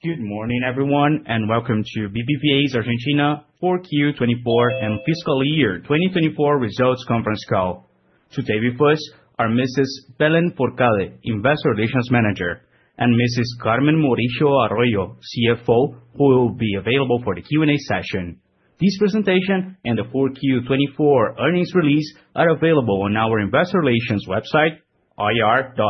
Good morning, everyone, and welcome to BBVA Argentina CC 4Q24 and FY 2024 Results Conference Call. Today with us are Mrs. Belén Fourcade, Investor Relations Manager, and Mrs. Carmen Morillo Arroyo, CFO, who will be available for the Q&A session. These presentations and the 4Q24 earnings release are available on our Investor Relations website, ir.bbva.com.ar,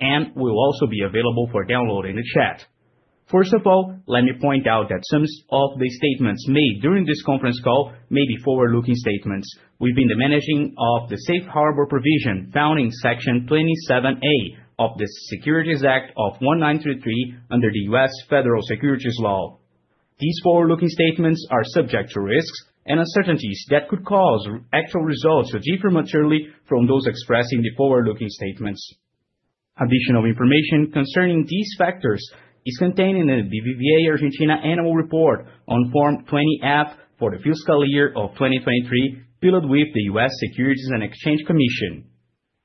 and will also be available for download in the chat. First of all, let me point out that some of the statements made during this conference call may be forward-looking statements. We are availing ourselves of the Safe Harbor Provision found in Section 27A of the Securities Act of 1933 under the U.S. Federal securities laws. These forward-looking statements are subject to risks and uncertainties that could cause actual results to differ materially from those expressed in the forward-looking statements. Additional information concerning these factors is contained in the BBVA Argentina Annual Report on Form 20-F for the fiscal year of 2023, filed with the U.S. Securities and Exchange Commission.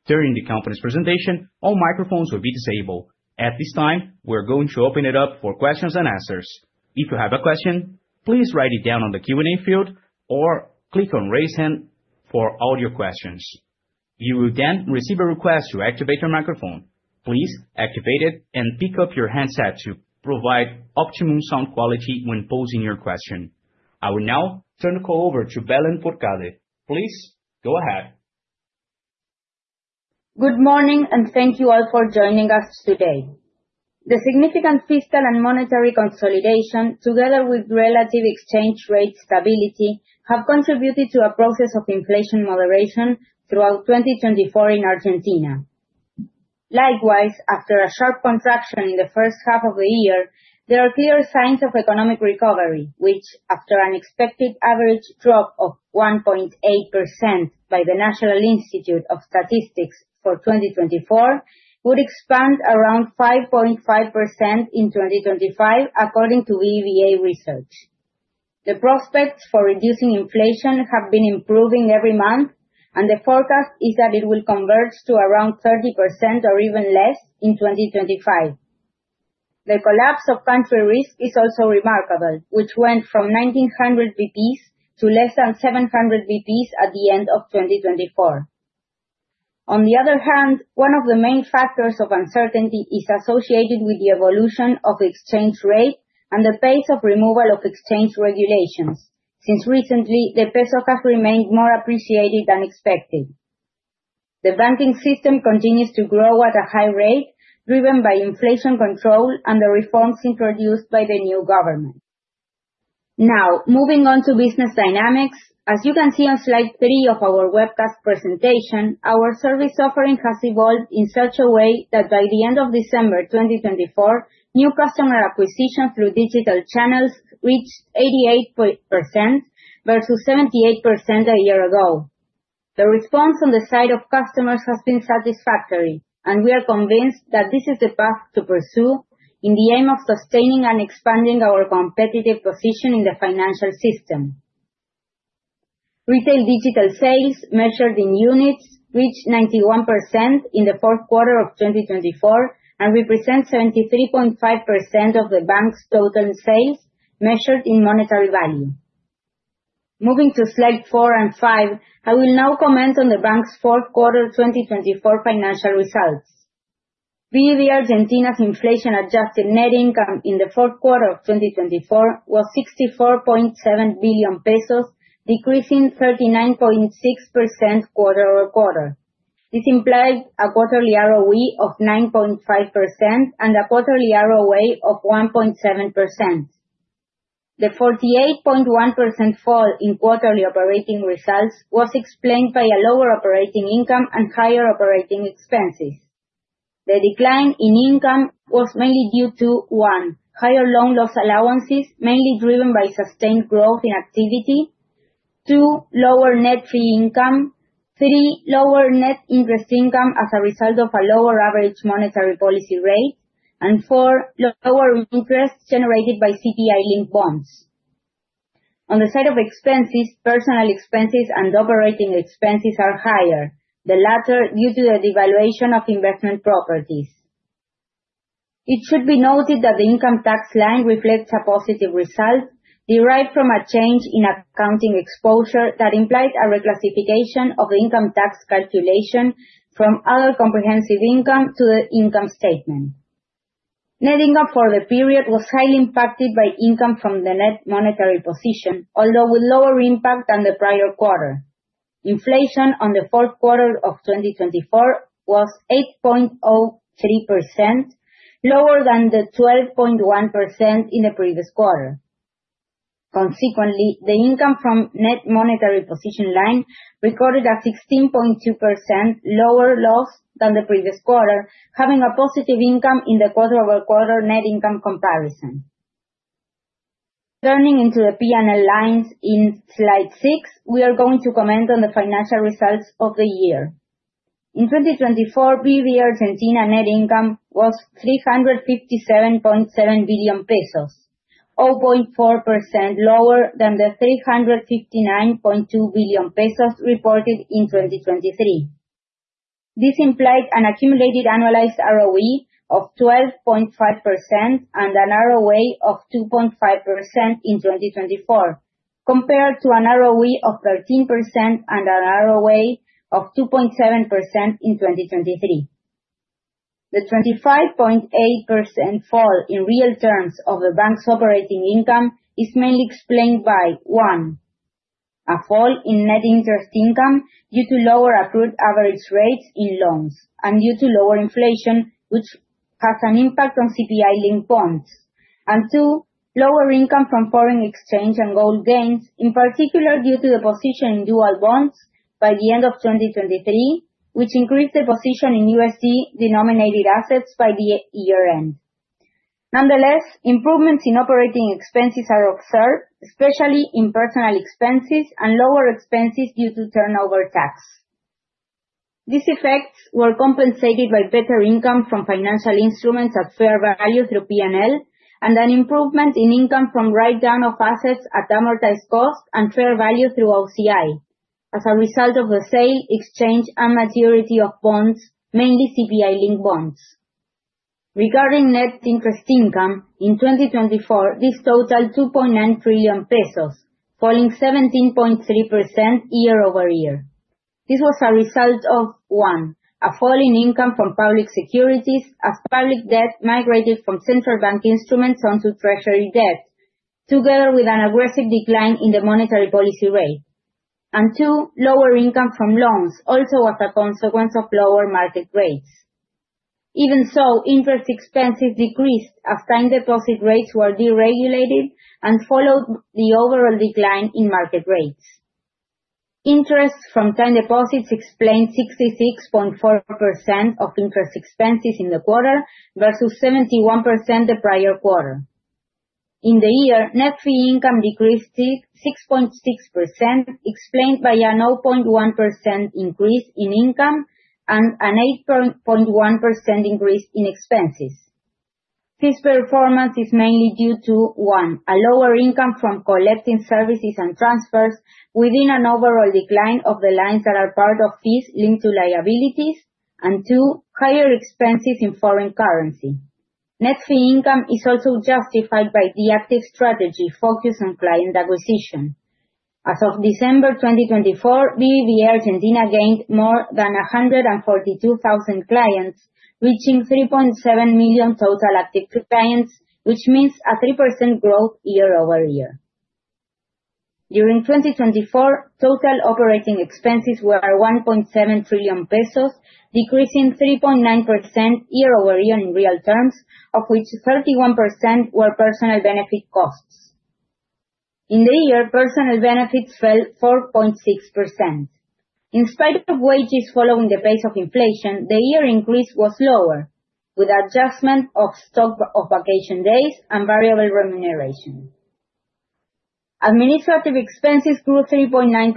During the company's presentation, all microphones will be disabled. At this time, we're going to open it up for questions and answers. If you have a question, please write it down on the Q&A field or click on Raise Hand for audio questions. You will then receive a request to activate your microphone. Please activate it and pick up your handset to provide optimum sound quality when posing your question. I will now turn the call over to Belén Fourcade. Please go ahead. Good morning, and thank you all for joining us today. The significant fiscal and monetary consolidation, together with relative exchange rate stability, have contributed to a process of inflation moderation throughout 2024 in Argentina. Likewise, after a sharp contraction in the first half of the year, there are clear signs of economic recovery, which, after an expected average drop of 1.8% by the National Institute of Statistics for 2024, would expand around 5.5% in 2025, according to BBVA Research. The prospects for reducing inflation have been improving every month, and the forecast is that it will converge to around 30% or even less in 2025. The collapse of country risk is also remarkable, which went from 1,900 basis points to less than 700 basis points at the end of 2024. On the other hand, one of the main factors of uncertainty is associated with the evolution of the exchange rate and the pace of removal of exchange regulations, since recently the peso has remained more appreciated than expected. The banking system continues to grow at a high rate, driven by inflation control and the reforms introduced by the new government. Now, moving on to business dynamics, as you can see on Slide 3 of our webcast presentation, our service offering has evolved in such a way that by the end of December 2024, new customer acquisition through digital channels reached 88% versus 78% a year ago. The response on the side of customers has been satisfactory, and we are convinced that this is the path to pursue in the aim of sustaining and expanding our competitive position in the financial system. Retail digital sales, measured in units, reached 91% in the fourth quarter of 2024 and represent 73.5% of the bank's total sales measured in monetary value. Moving to Slide 4 and 5, I will now comment on the bank's fourth quarter 2024 financial results. BBVA Argentina's inflation-adjusted net income in the fourth quarter of 2024 was 64.7 billion pesos, decreasing 39.6% quarter-over-quarter. This implied a quarterly ROE of 9.5% and a quarterly ROA of 1.7%. The 48.1% fall in quarterly operating results was explained by a lower operating income and higher operating expenses. The decline in income was mainly due to: 1) higher loan loss allowances, mainly driven by sustained growth in activity; 2) lower net free income; 3) lower net interest income as a result of a lower average monetary policy rate; and 4) lower interest generated by CPI-linked bonds. On the side of expenses, personal expenses and operating expenses are higher, the latter due to the devaluation of investment properties. It should be noted that the income tax line reflects a positive result derived from a change in accounting exposure that implied a reclassification of the income tax calculation from other comprehensive income to the income statement. Net income for the period was highly impacted by income from the net monetary position, although with lower impact than the prior quarter. Inflation in the fourth quarter of 2024 was 8.03%, lower than the 12.1% in the previous quarter. Consequently, the income from net monetary position line recorded a 16.2% lower loss than the previous quarter, having a positive income in the quarter-over-quarter net income comparison. Turning to the P&L lines in Slide 6, we are going to comment on the financial results of the year. In 2024, BBVA Argentina net income was 357.7 billion pesos, 0.4% lower than the 359.2 billion pesos reported in 2023. This implied an accumulated annualized ROE of 12.5% and an ROA of 2.5% in 2024, compared to an ROE of 13% and an ROA of 2.7% in 2023. The 25.8% fall in real terms of the bank's operating income is mainly explained by: 1) a fall in net interest income due to lower accrued average rates in loans and due to lower inflation, which has an impact on CPI-linked bonds, and 2) lower income from foreign exchange and gold gains, in particular due to the position in dual bonds by the end of 2023, which increased the position in USD-denominated assets by the year-end. Nonetheless, improvements in operating expenses are observed, especially in personal expenses and lower expenses due to turnover tax. These effects were compensated by better income from financial instruments at fair value through P&L and an improvement in income from write-down of assets at amortized cost and fair value through OCI, as a result of the sale, exchange, and maturity of bonds, mainly CPI-linked bonds. Regarding net interest income, in 2024, this totaled 2.9 trillion pesos, falling 17.3% year-over-year. This was a result of: 1) a fall in income from public securities, as public debt migrated from central bank instruments onto treasury debt, together with an aggressive decline in the monetary policy rate, and 2) lower income from loans, also as a consequence of lower market rates. Even so, interest expenses decreased as time deposit rates were deregulated and followed the overall decline in market rates. Interest from time deposits explained 66.4% of interest expenses in the quarter versus 71% the prior quarter. In the year, net free income decreased 6.6%, explained by a 0.1% increase in income and an 8.1% increase in expenses. This performance is mainly due to: 1) a lower income from collecting services and transfers, within an overall decline of the lines that are part of fees linked to liabilities, and 2) higher expenses in foreign currency. Net free income is also justified by the active strategy focused on client acquisition. As of December 2024, BBVA Argentina gained more than 142,000 clients, reaching 3.7 million total active clients, which means a 3% growth year-over-year. During 2024, total operating expenses were 1.7 trillion pesos, decreasing 3.9% year-over-year in real terms, of which 31% were personnel benefit costs. In the year, personnel benefits fell 4.6%. In spite of wages following the pace of inflation, the year-end increase was lower, with adjustment of stock of vacation days and variable remuneration. Administrative expenses grew 3.9%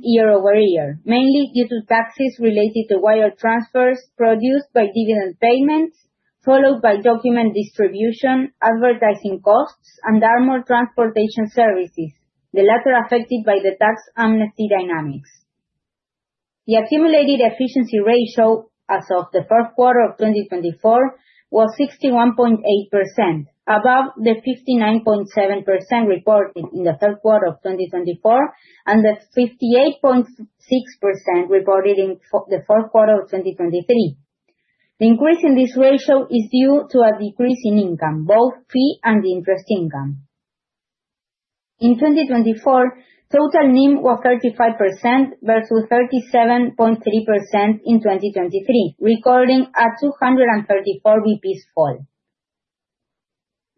year-over-year, mainly due to taxes related to wire transfers produced by dividend payments, followed by document distribution, advertising costs, and armored transportation services, the latter affected by the tax amnesty dynamics. The accumulated efficiency ratio as of the fourth quarter of 2024 was 61.8%, above the 59.7% reported in the third quarter of 2024 and the 58.6% reported in the fourth quarter of 2023. The increase in this ratio is due to a decrease in income, both fee and interest income. In 2024, total NIM was 35% versus 37.3% in 2023, recording a 234 basis points fall.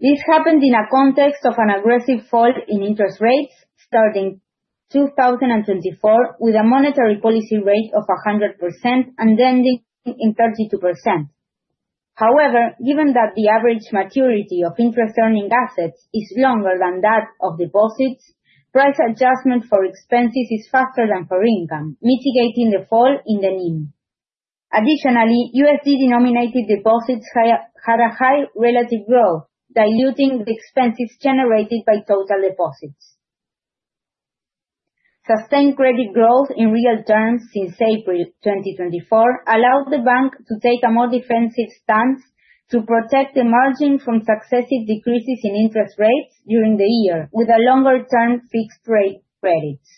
This happened in a context of an aggressive fall in interest rates starting 2024, with a monetary policy rate of 100% and ending in 32%. However, given that the average maturity of interest-earning assets is longer than that of deposits, price adjustment for expenses is faster than for income, mitigating the fall in the NIM. Additionally, USD-denominated deposits had a high relative growth, diluting the expenses generated by total deposits. Sustained credit growth in real terms since April 2024 allowed the bank to take a more defensive stance to protect the margin from successive decreases in interest rates during the year, with longer-term fixed-rate credits.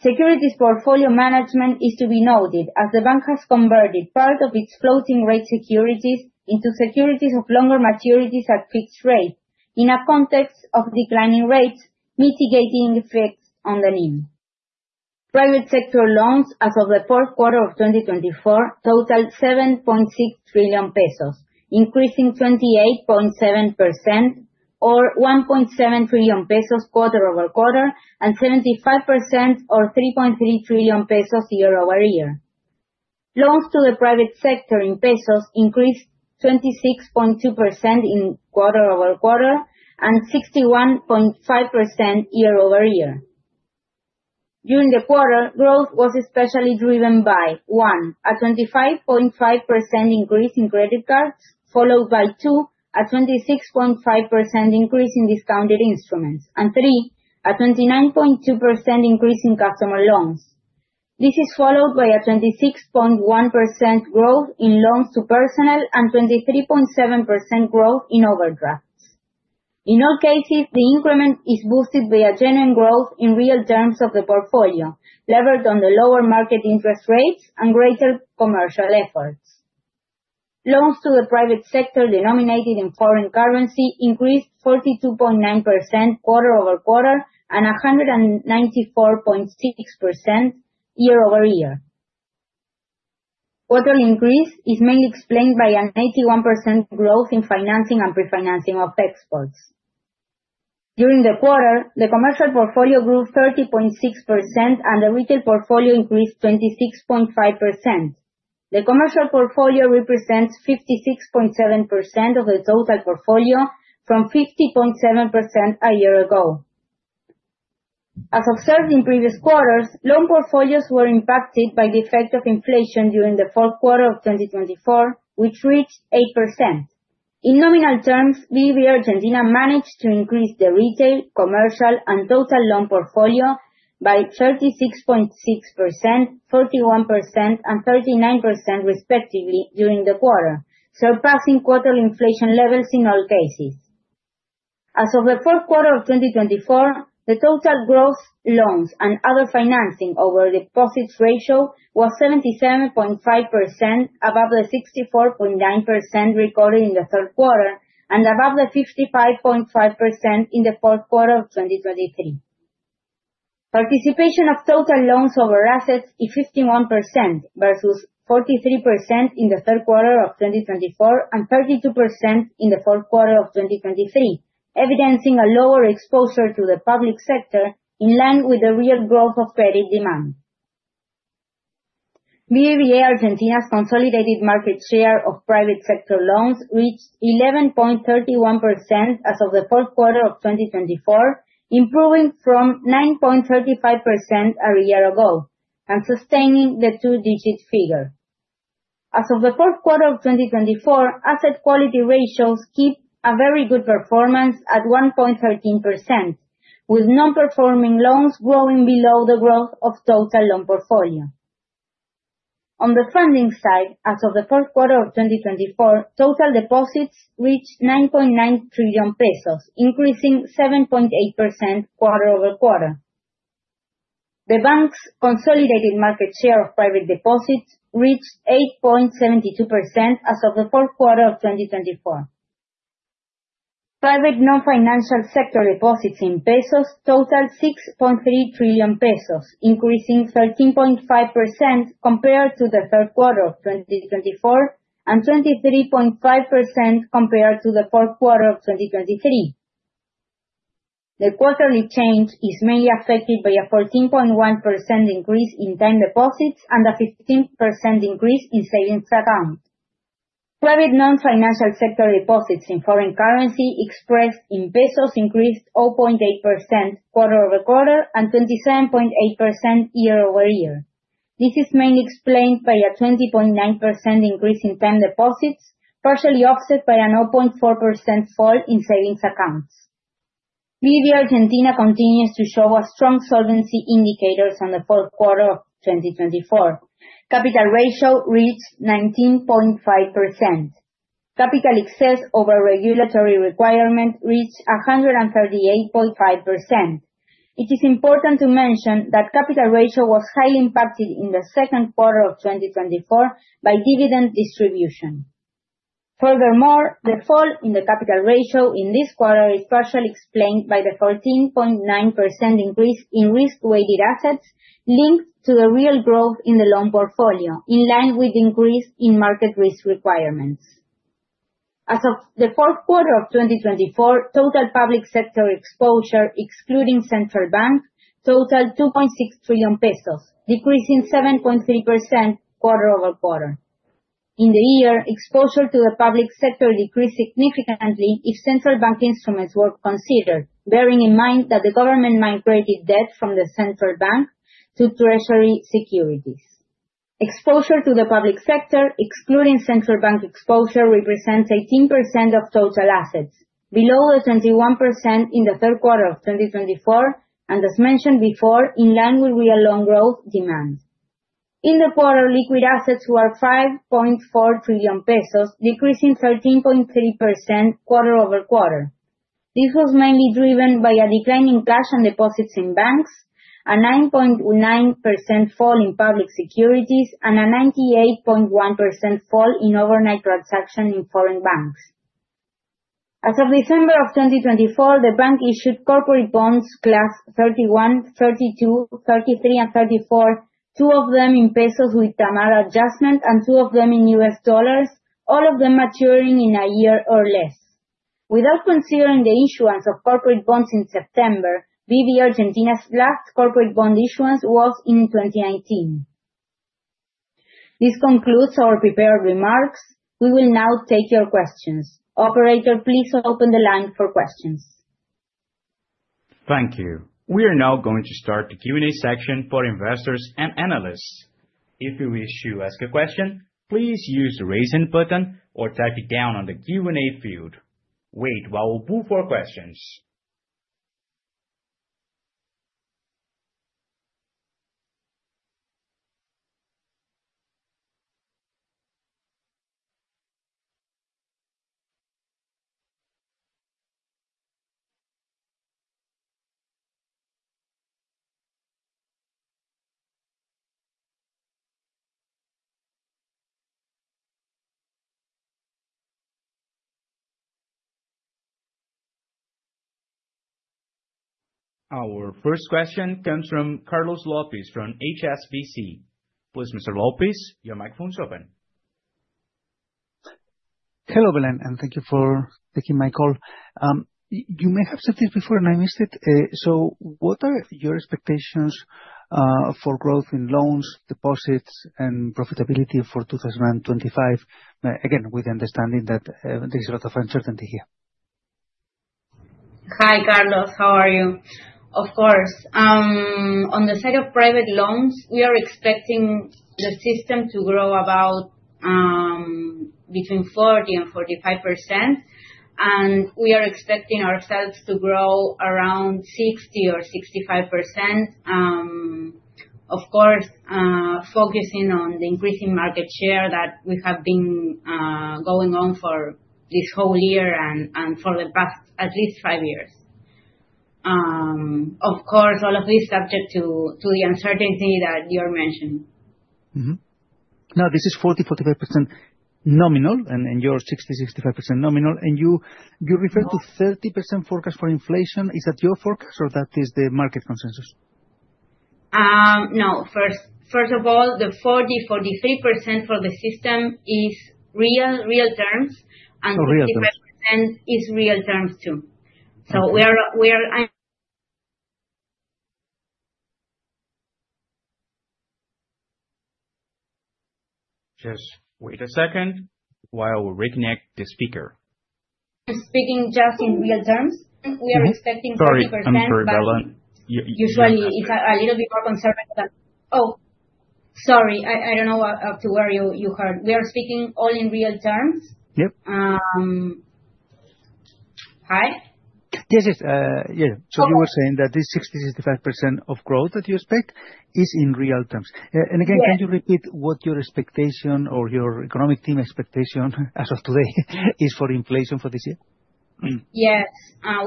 Securities portfolio management is to be noted, as the bank has converted part of its floating-rate securities into securities of longer maturities at fixed rate, in a context of declining rates, mitigating effects on the NIM. Private sector loans as of the fourth quarter of 2024 totaled 7.6 trillion pesos, increasing 28.7% or 1.7 trillion pesos quarter-over-quarter and 75% or 3.3 trillion pesos year-over-year. Loans to the private sector in pesos increased 26.2% in quarter-over-quarter and 61.5% year-over-year. During the quarter, growth was especially driven by: 1) a 25.5% increase in credit cards, followed by 2) a 26.5% increase in discounted instruments, and 3) a 29.2% increase in customer loans. This is followed by a 26.1% growth in loans to personal and 23.7% growth in overdrafts. In all cases, the increment is boosted by a genuine growth in real terms of the portfolio, levered on the lower market interest rates and greater commercial efforts. Loans to the private sector denominated in foreign currency increased 42.9% quarter-over-quarter and 194.6% year-over-year. Quarterly increase is mainly explained by an 81% growth in financing and pre-financing of exports. During the quarter, the commercial portfolio grew 30.6% and the retail portfolio increased 26.5%. The commercial portfolio represents 56.7% of the total portfolio, from 50.7% a year ago. As observed in previous quarters, loan portfolios were impacted by the effect of inflation during the fourth quarter of 2024, which reached 8%. In nominal terms, BBVA Argentina managed to increase the retail, commercial, and total loan portfolio by 36.6%, 41%, and 39% respectively during the quarter, surpassing quarterly inflation levels in all cases. As of the fourth quarter of 2024, the total growth, loans, and other financing over deposits ratio was 77.5%, above the 64.9% recorded in the third quarter and above the 55.5% in the fourth quarter of 2023. Participation of total loans over assets is 51% versus 43% in the third quarter of 2024 and 32% in the fourth quarter of 2023, evidencing a lower exposure to the public sector in line with the real growth of credit demand. BBVA Argentina's consolidated market share of private sector loans reached 11.31% as of the fourth quarter of 2024, improving from 9.35% a year ago and sustaining the two-digit figure. As of the fourth quarter of 2024, asset quality ratios keep a very good performance at 1.13%, with non-performing loans growing below the growth of total loan portfolio. On the funding side, as of the fourth quarter of 2024, total deposits reached 9.9 trillion pesos, increasing 7.8% quarter-over-quarter. The bank's consolidated market share of private deposits reached 8.72% as of the fourth quarter of 2024. Private non-financial sector deposits in pesos totaled 6.3 trillion pesos, increasing 13.5% compared to the third quarter of 2024 and 23.5% compared to the fourth quarter of 2023. The quarterly change is mainly affected by a 14.1% increase in time deposits and a 15% increase in savings accounts. Private non-financial sector deposits in foreign currency, expressed in pesos, increased 0.8% quarter-over-quarter and 27.8% year-over-year. This is mainly explained by a 20.9% increase in time deposits, partially offset by a 0.4% fall in savings accounts. BBVA Argentina continues to show a strong solvency indicators on the fourth quarter of 2024. Capital ratio reached 19.5%. Capital excess over regulatory requirement reached 138.5%. It is important to mention that capital ratio was highly impacted in the second quarter of 2024 by dividend distribution. Furthermore, the fall in the capital ratio in this quarter is partially explained by the 14.9% increase in risk-weighted assets linked to the real growth in the loan portfolio, in line with the increase in market risk requirements. As of the fourth quarter of 2024, total public sector exposure, excluding central bank, totaled 2.6 trillion pesos, decreasing 7.3% quarter-over-quarter. In the year, exposure to the public sector decreased significantly if central bank instruments were considered, bearing in mind that the government migrated debt from the central bank to treasury securities. Exposure to the public sector, excluding central bank exposure, represents 18% of total assets, below the 21% in the third quarter of 2024 and, as mentioned before, in line with real loan growth demand. In the quarter, liquid assets were 5.4 trillion pesos, decreasing 13.3% quarter-over-quarter. This was mainly driven by a decline in cash and deposits in banks, a 9.9% fall in public securities, and a 98.1% fall in overnight transactions in foreign banks. As of December of 2024, the bank issued corporate bonds Class 31, 32, 33, and 34, two of them in pesos with BADLAR adjustment and two of them in U.S. dollars, all of them maturing in a year or less. Without considering the issuance of corporate bonds in September, BBVA Argentina's last corporate bond issuance was in 2019. This concludes our prepared remarks. We will now take your questions. Operator, please open the line for questions. Thank you. We are now going to start the Q&A section for investors and analysts. If you wish to ask a question, please use the Raise Hand button or type it down on the Q&A field. Wait while we move for questions. Our first question comes from Carlos Lopez from HSBC. Please, Mr. Lopez, your microphone is open. Hello everyone, and thank you for taking my call. You may have said this before and I missed it. So what are your expectations for growth in loans, deposits, and profitability for 2025? Again, with the understanding that there is a lot of uncertainty here. Hi, Carlos, how are you? Of course. On the side of private loans, we are expecting the system to grow about between 40%-45%, and we are expecting ourselves to grow around 60% or 65%. Of course, focusing on the increasing market share that we have been going on for this whole year and for the past at least five years. Of course, all of this is subject to the uncertainty that you're mentioning. Mm-hmm. Now, this is 40%-45% nominal, and you're 60%-65% nominal, and you referred to 30% forecast for inflation. Is that your forecast or that is the market consensus? No. First of all, the 40%-43% for the system is real terms, and 30% is real terms too. So we are just wait a second while we reconnect the speaker. I'm speaking just in real terms. We are expecting 30%. Sorry, I'm sorry, Belén. Usually, it's a little bit more conservative. Oh, sorry. I don't know where you heard. We are speaking all in real terms. Yep. Hi? Yes, yes. Yeah. So you were saying that this 60%-65% of growth that you expect is in real terms. And again, can you repeat what your expectation or your economic team expectation as of today is for inflation for this year? Yes.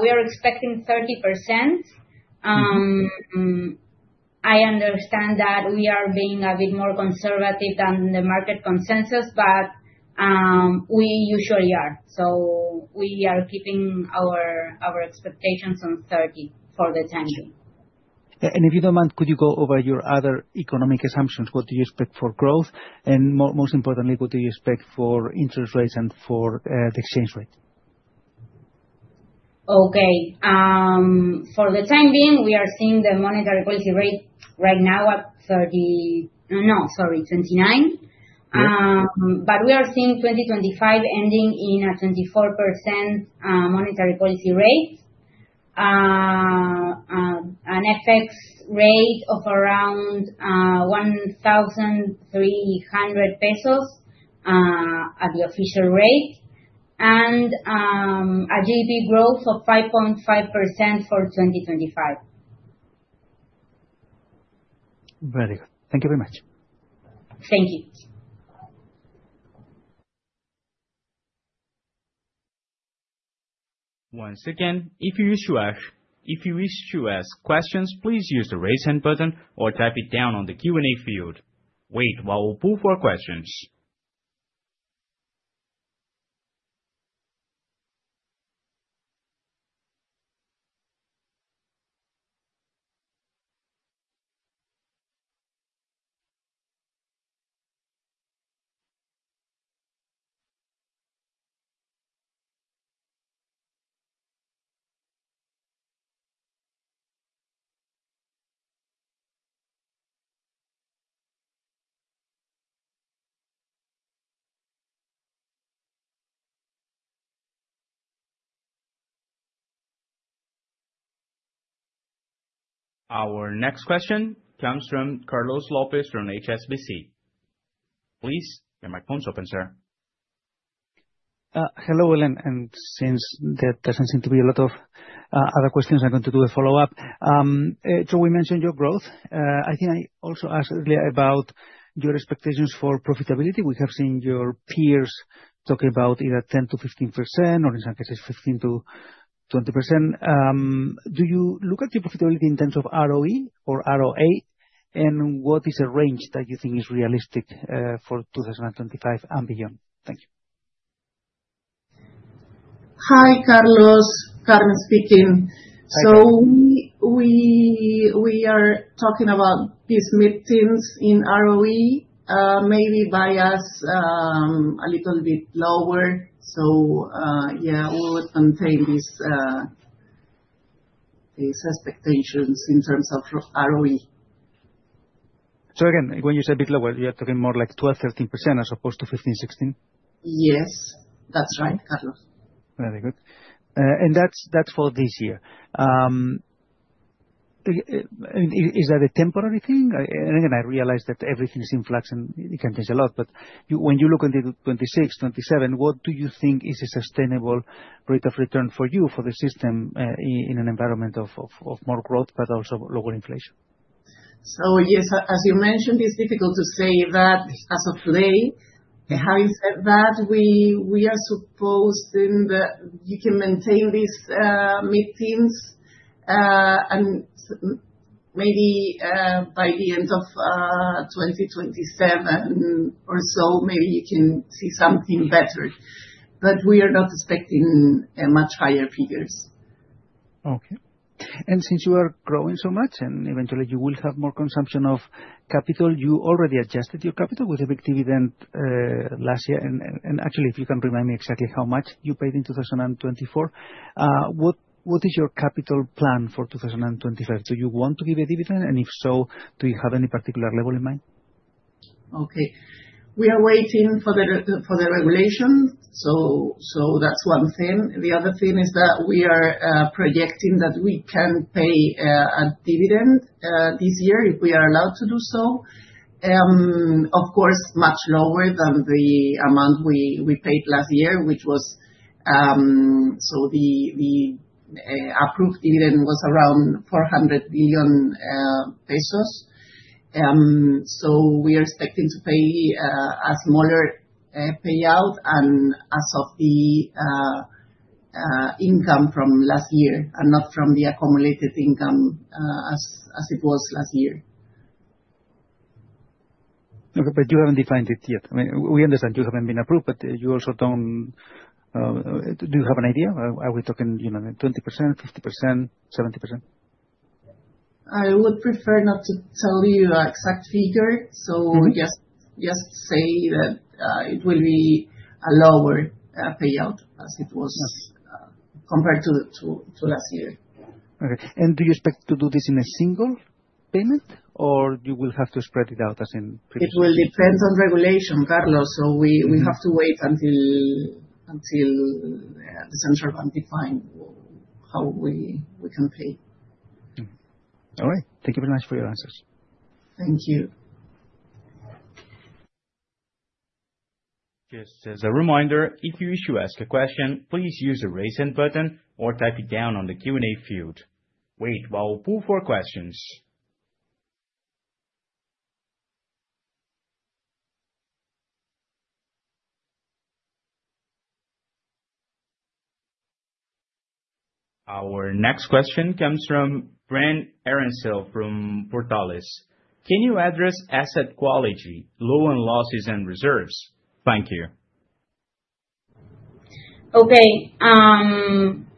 We are expecting 30%. I understand that we are being a bit more conservative than the market consensus, but we usually are. So we are keeping our expectations on 30 for the time being. And if you don't mind, could you go over your other economic assumptions? What do you expect for growth? And most importantly, what do you expect for interest rates and for the exchange rate? Okay. For the time being, we are seeing the monetary policy rate right now at 30, no, sorry, 29. But we are seeing 2025 ending in a 24% monetary policy rate, an FX rate of around 1,300 pesos at the official rate, and a GDP growth of 5.5% for 2025. Very good. Thank you very much. Thank you. Once again, if you wish to ask questions, please use the Raise Hand button or type it down on the Q&A field. Wait while we move to questions. Our next question comes from Carlos Lopez from HSBC. Please, your microphone is open, sir. Hello, Belén. And since there doesn't seem to be a lot of other questions, I'm going to do a follow-up. So we mentioned your growth. I think I also asked earlier about your expectations for profitability. We have seen your peers talking about either 10%-15%, or in some cases, 15%-20%. Do you look at your profitability in terms of ROE or ROA, and what is a range that you think is realistic for 2025 and beyond? Thank you. Hi, Carlos. So we are talking about these mid-teens in ROE, maybe biased a little bit lower. So, yeah, we would contain these expectations in terms of ROE. So again, when you said a bit lower, you're talking more like 12%-13% as opposed to 15%-16%? Yes, that's right, Carlos. Very good. And that's for this year. I mean, is that a temporary thing? And again, I realize that everything is in flux and it can change a lot, but when you look at the 2026-2027, what do you think is a sustainable rate of return for you, for the system, in an environment of more growth, but also lower inflation? So yes, as you mentioned, it's difficult to say that as of today. Having said that, we are supposed that you can maintain these mid-teens, and maybe by the end of 2027 or so, maybe you can see something better. But we are not expecting much higher figures. Okay. Since you are growing so much, and eventually you will have more consumption of capital, you already adjusted your capital with a big dividend last year. Actually, if you can remind me exactly how much you paid in 2024, what is your capital plan for 2025? Do you want to give a dividend? And if so, do you have any particular level in mind? Okay. We are waiting for the regulation. So that's one thing. The other thing is that we are projecting that we can pay a dividend this year if we are allowed to do so. Of course, much lower than the amount we paid last year, which was, so the approved dividend was around 400 million pesos. So, we are expecting to pay a smaller payout based on the income from last year and not from the accumulated income as it was last year. Okay, but you haven't defined it yet. I mean, we understand you haven't been approved, but do you have an idea? Are we talking, you know, 20%, 50%, 70%? I would prefer not to tell you an exact figure. So just say that it will be a lower payout compared to last year. Okay. And do you expect to do this in a single payment, or you will have to spread it out as in previous? It will depend on regulation, Carlos. So we have to wait until the central bank defines how we can pay. All right. Thank you very much for your answers. Thank you. Just as a reminder, if you wish to ask a question, please use the Raise Hand button or type it down on the Q&A field. Wait while we move for questions. Our next question comes from Brent Aroncel from Portales. Can you address asset quality, loan losses, and reserves? Thank you. Okay.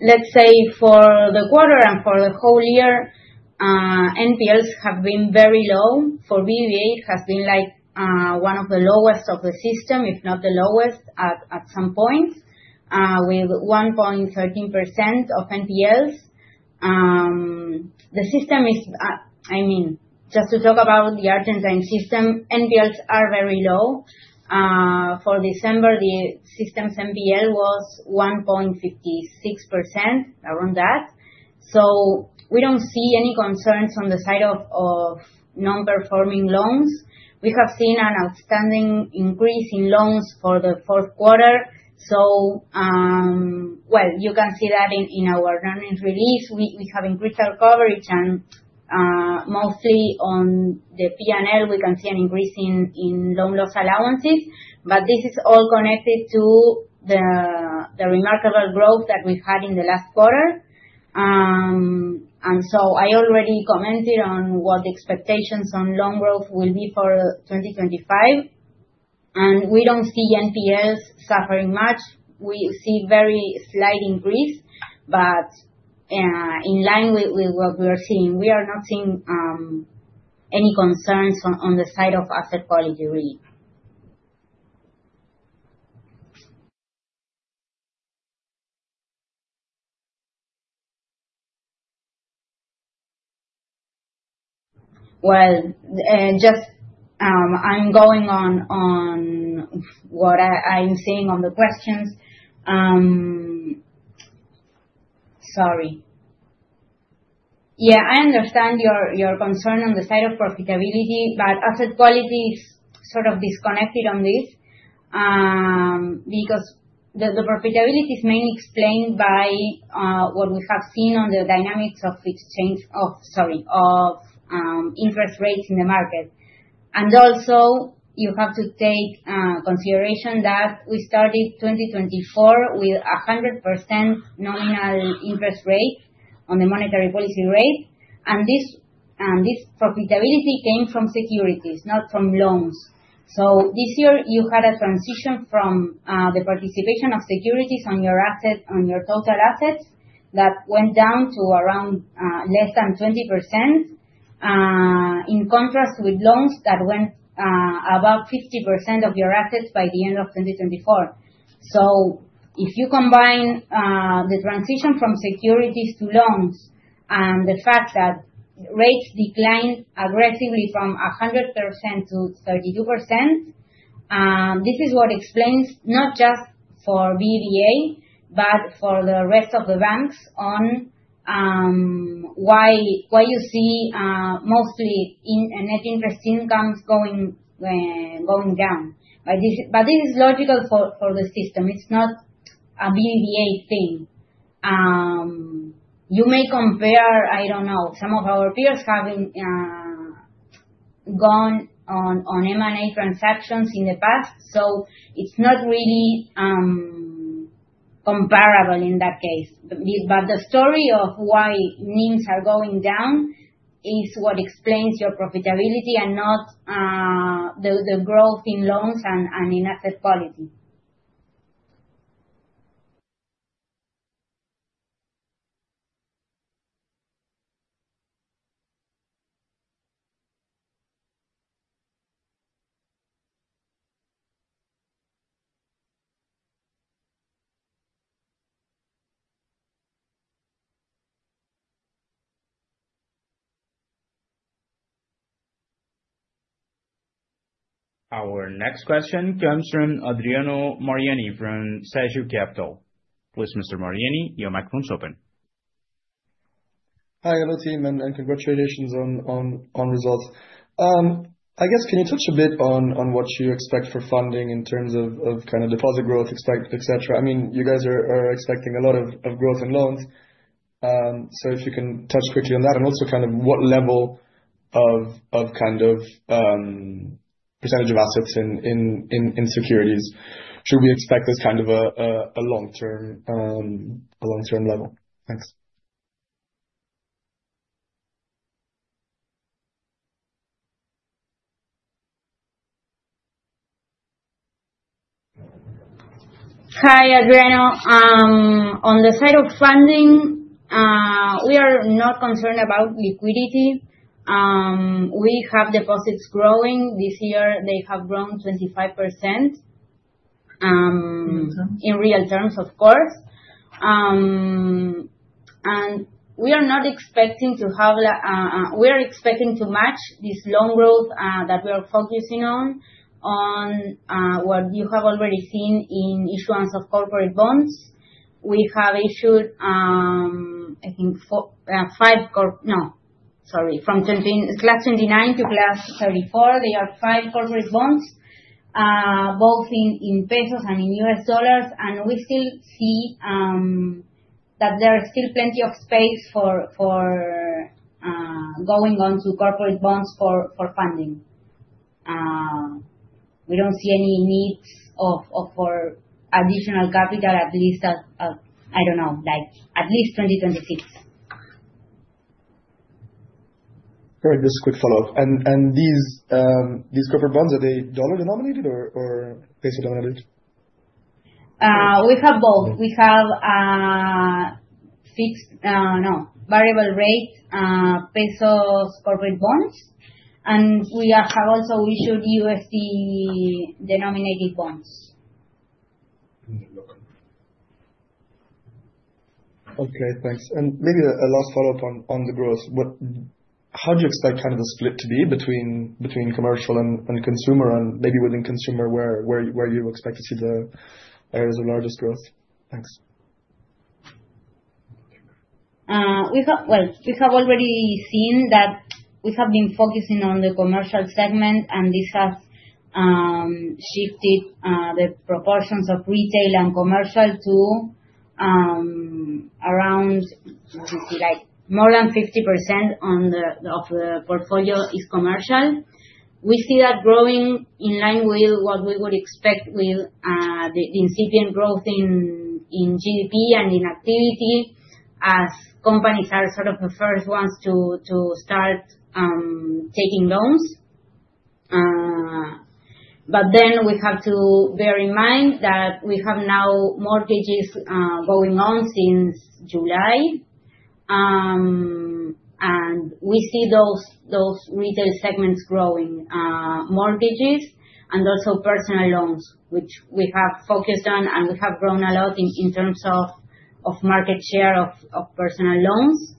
Let's say for the quarter and for the whole year, NPLs have been very low. For BBVA, it has been like one of the lowest of the system, if not the lowest, at some point, with 1.13% of NPLs. The system is, I mean, just to talk about the Argentine system, NPLs are very low. For December, the system's NPL was 1.56%, around that. So we don't see any concerns on the side of non-performing loans. We have seen an outstanding increase in loans for the fourth quarter. You can see that in our earnings release. We have increased our coverage, and mostly on the P&L, we can see an increase in loan loss allowances. But this is all connected to the remarkable growth that we had in the last quarter. I already commented on what the expectations on loan growth will be for 2025. We don't see NPLs suffering much. We see a very slight increase, but in line with what we are seeing. We are not seeing any concerns on the side of asset quality, really. I'm just going on what I'm seeing on the questions. Sorry. Yeah, I understand your concern on the side of profitability, but asset quality is sort of disconnected on this. Because the profitability is mainly explained by what we have seen on the dynamics of exchange of, sorry, of interest rates in the market. And also, you have to take consideration that we started 2024 with a 100% nominal interest rate on the monetary policy rate. And this profitability came from securities, not from loans. So this year, you had a transition from the participation of securities on your total assets, that went down to around less than 20%, in contrast with loans that went above 50% of your assets by the end of 2024. So if you combine the transition from securities to loans and the fact that rates declined aggressively from 100% to 32%, this is what explains not just for BBVA, but for the rest of the banks on why you see mostly in net interest incomes going down. But this is logical for the system. It's not a BBVA thing. You may compare, I don't know, some of our peers having gone on M&A transactions in the past. So it's not really comparable in that case. The story of why NIMs are going down is what explains your profitability and not the growth in loans and in asset quality. Our next question comes from Adriano Mariani from Sagil Capital. Please, Mr. Mariani, your microphone is open. Hi, hello, team. And congratulations on results. I guess, can you touch a bit on what you expect for funding in terms of kind of deposit growth, expect etc.? I mean, you guys are expecting a lot of growth in loans. So if you can touch quickly on that, and also kind of what level of kind of percentage of assets in securities should we expect this kind of a long-term level? Thanks. Hi, Adriano. On the side of funding, we are not concerned about liquidity. We have deposits growing. This year, they have grown 25%. In real terms, of course. We are expecting to match this loan growth that we are focusing on what you have already seen in issuance of corporate bonds. We have issued, I think, five corp, no, sorry, from Class 29 to Class 34. They are five corporate bonds, both in pesos and in U.S. dollars. We still see that there is still plenty of space for going on to corporate bonds for funding. We don't see any need for additional capital, at least. I don't know, like at least 2026. All right, just a quick follow-up. These corporate bonds, are they dollar-denominated or peso-denominated? We have both. We have fixed, no, variable rate peso corporate bonds. And we have also issued USD-denominated bonds. Okay, thanks. Maybe a last follow-up on the growth. What, how do you expect kind of the split to be between commercial and consumer, and maybe within consumer, where you expect to see the areas of largest growth? Thanks. Well, we have already seen that we have been focusing on the commercial segment, and this has shifted the proportions of retail and commercial to around, let me see, like more than 50% of the portfolio is commercial. We see that growing in line with what we would expect with the incipient growth in GDP and in activity as companies are sort of the first ones to start taking loans. But then we have to bear in mind that we have now mortgages going on since July, and we see those retail segments growing, mortgages and also personal loans, which we have focused on, and we have grown a lot in terms of market share of personal loans.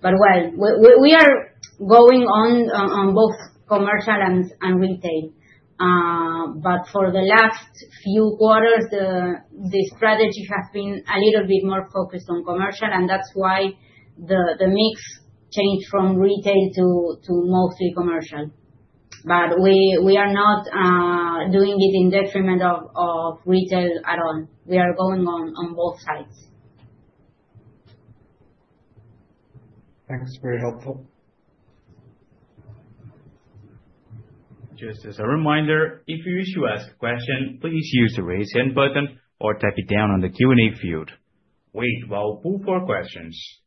But, well, we are going on both commercial and retail. But for the last few quarters, the strategy has been a little bit more focused on commercial, and that's why the mix changed from retail to mostly commercial. But we are not doing it in detriment of retail at all. We are going on both sides. Thanks. Very helpful. Just as a reminder, if you wish to ask a question, please use the Raise Hand button or type it in the Q&A field. Wait while we wait for questions.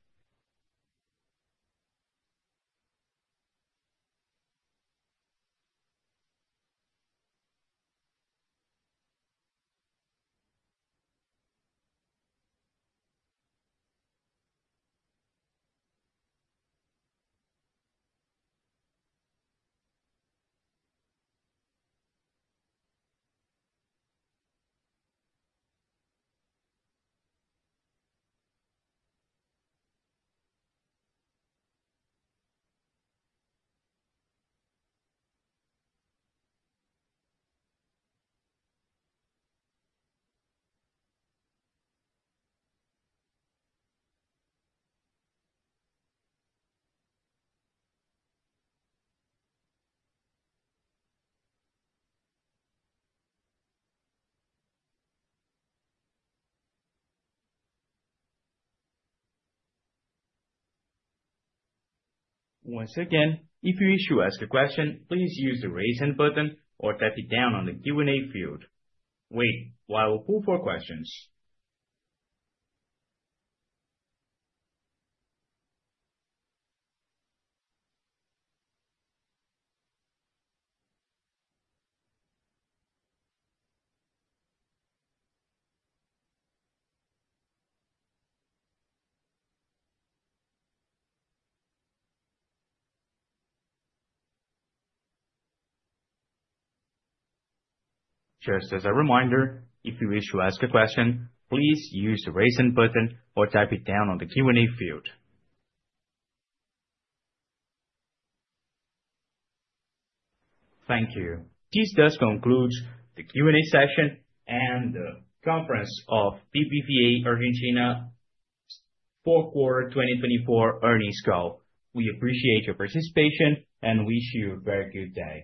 Once again, if you wish to ask a question, please use the Raise Hand button or type it in the Q&A field. Wait while we wait for questions. Just as a reminder, if you wish to ask a question, please use the Raise Hand button or type it in the Q&A field. Thank you. This does conclude the Q&A session and the conference call for BBVA Argentina's fourth quarter 2024 earnings call. We appreciate your participation and wish you a very good day.